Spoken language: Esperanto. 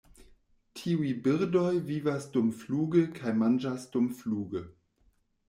Tiuj birdoj vivas dumfluge kaj manĝas dumfluge.